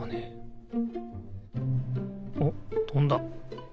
おっとんだ。